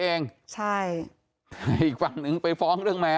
สวัสดีคุณผู้ชายสวัสดีคุณผู้ชาย